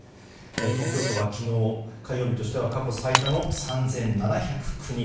東京都は昨日、火曜日としては過去最多の３７０９人。